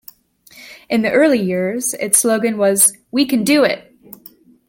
In the early years, its slogan was We Can Do It!